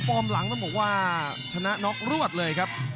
หลังต้องบอกว่าชนะน็อกรวดเลยครับ